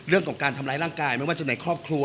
เรื่องของการทำร้ายร่างกายไม่ว่าจะในครอบครัว